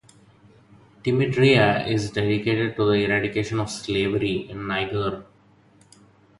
Timidria is dedicated to the eradication of slavery in Niger.